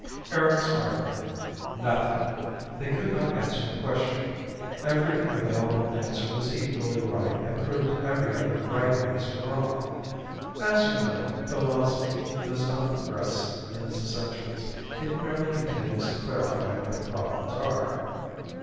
Erics frowned. "Nothing. They could not answer the question. Every available answer was equally right and proved every other right answer wrong. As you know, philosophy does not progress in its essentials. It merely continues to clarify what the problems are."